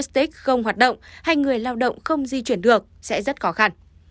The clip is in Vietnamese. stick không hoạt động hay người lao động không di chuyển được sẽ rất khó khăn